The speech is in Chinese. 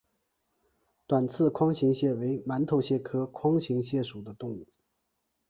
短刺筐形蟹为馒头蟹科筐形蟹属的动物。